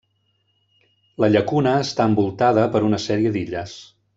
La llacuna està envoltada per una sèrie d'illes.